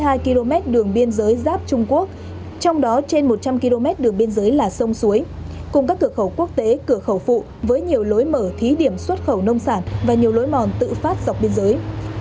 hơn hai km đường biên giới giáp trung quốc trong đó trên một trăm linh km đường biên giới là sông suối cùng các cửa khẩu quốc tế cửa khẩu phụ với nhiều lối mở thí điểm xuất khẩu nông sản và nhiều lối mòn tự phát dọc biên giới